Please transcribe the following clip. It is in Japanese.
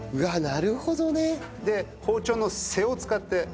なるほどね！で包丁の背を使って。